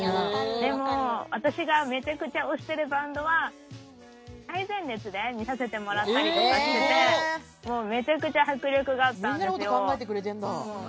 でも、私がめちゃくちゃ推しているバンドは最前列で見させてもらったりしててめちゃくちゃ迫力があったんですけど。